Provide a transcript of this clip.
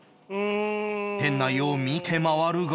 店内を見て回るが